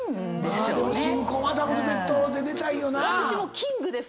でも新婚はダブルベッドで寝たいよなぁ。